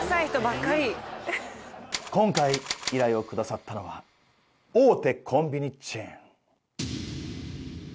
今回依頼をくださったのは大手コンビニチェーン。